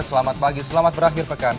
selamat pagi selamat berakhir pekan